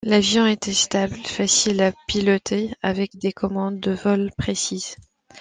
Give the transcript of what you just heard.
L’avion était stable, facile à piloter, avec des commandes de vol précises.